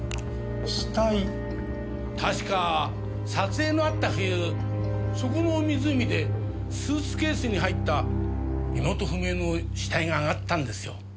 確か撮影のあった冬そこの湖でスーツケースに入った身元不明の死体が上がったんですよ。